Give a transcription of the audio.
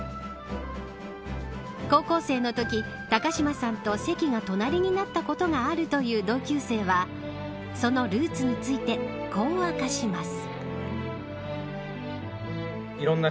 高校生のとき、高島さんと席が隣になったことがあるという同級生はそのルーツについてこう明かします。